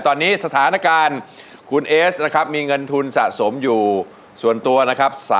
ตอนนี้สถานการณ์คุณเอสนะครับมีเงินทุนสะสมอยู่ส่วนตัวนะครับ